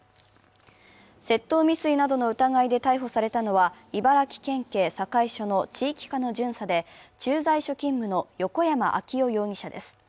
窃盗未遂などの疑いで逮捕されのは、茨城県警境署の地域課の巡査で、駐在所勤務の横山尭世容疑者です。